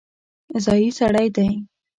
ځايي سړی دی.